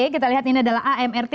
kita lihat ini adalah amrt